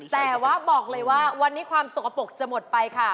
แต่ว่าบอกเลยว่าวันนี้ความสกปรกจะหมดไปค่ะ